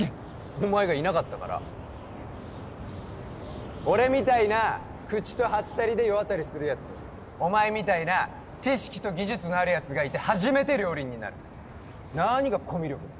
お前がいなかったから俺みたいな口とハッタリで世渡りするやつお前みたいな知識と技術のあるやつがいて初めて両輪になる何がコミュ力だ